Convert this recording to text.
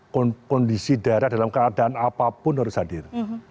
kondisi daerah dalam keadaan apapun harus hadir